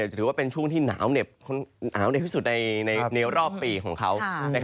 จะถือว่าเป็นช่วงที่หนาวเหน็บกว่าสุดในย้อนรอบปีของเขา